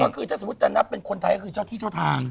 ก็คือถ้าสมมุติจะนับเป็นคนไทยก็คือเจ้าที่เจ้าทาง